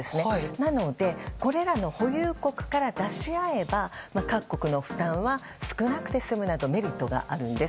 なので、これらの保有国から出し合えば各国の負担は少なくて済むなどのメリットがあるんです。